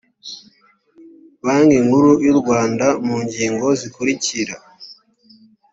banki nkuru y u rwanda mu ngingo zikurikira